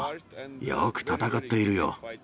よく戦っているよ。